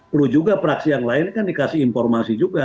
perlu juga praksi yang lain kan dikasih informasi juga